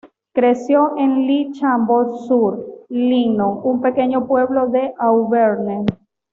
Creció en Le Chambon-sur-Lignon, un pequeño pueblo de Auvergne.